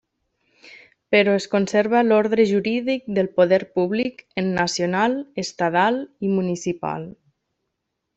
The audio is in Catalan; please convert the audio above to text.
Però es conserva l'ordre jurídic del poder públic en nacional, estadal i municipal.